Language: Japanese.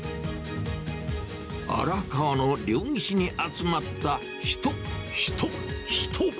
荒川の両岸に集まった人、人、人。